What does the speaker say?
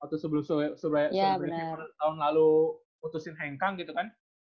waktu sebelum tahun lalu putusin hengkang gitu kan